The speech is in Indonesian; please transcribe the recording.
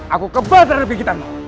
aku kepatraan dikit kamu